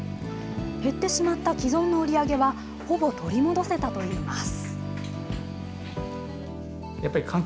減ってしまった既存の売り上げはほぼ取り戻せたといいます。